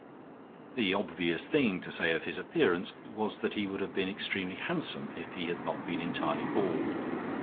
The obvious thing to say of his appearance was that he would have been extremely handsome if he had not been entirely bald.